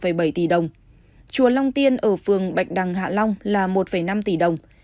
khu di tích lịch sử chùa long tiên ở phường bạch đằng hạ long là một năm tỷ đồng